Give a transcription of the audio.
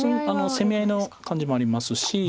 攻め合いの感じもありますし。